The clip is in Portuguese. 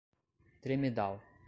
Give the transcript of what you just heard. Tremedal